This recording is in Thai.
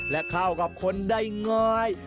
และเข้ากับคนใด่งอย